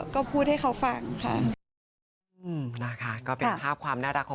ก็พูดให้เขาฟังค่ะ